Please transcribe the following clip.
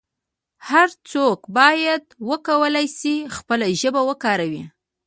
هر څوک باید وکولای شي خپله ژبه وکاروي.